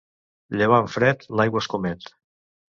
Llevant fred l'aigua escomet.